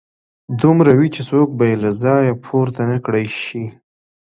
دومره وي چې څوک به يې له ځايه پورته نه کړای شي.